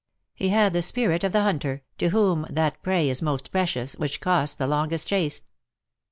He had the spirit of the hunter, to whom that prey is most precious which costs the longest chase.